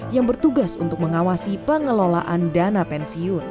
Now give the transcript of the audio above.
yang bertugas untuk mengawasi pengelolaan dana pensiun